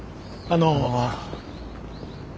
あの。